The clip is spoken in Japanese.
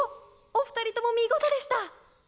お２人とも見事でした。